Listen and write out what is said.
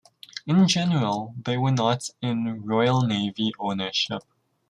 In general, they were not in Royal Navy ownership.